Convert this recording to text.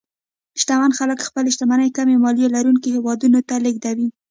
شتمن خلک خپلې شتمنۍ کمې مالیې لرونکو هېوادونو ته لېږدوي.